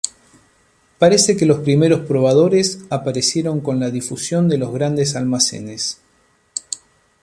Parece que los primeros probadores aparecieron con la difusión de los grandes almacenes.